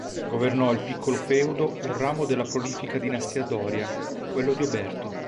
Governò il piccolo feudo un ramo della prolifica dinastia Doria, quello di Oberto.